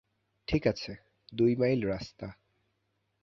ঠিক আছে - দুই মাইল রাস্তা।